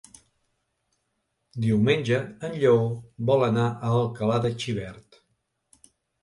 Diumenge en Lleó vol anar a Alcalà de Xivert.